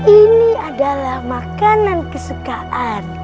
ini adalah makanan kesukaanku